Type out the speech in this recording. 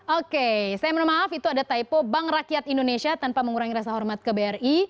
oke saya mohon maaf itu ada taipo bank rakyat indonesia tanpa mengurangi rasa hormat ke bri